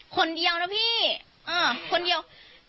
คนเดียวนะพี่คนเดียว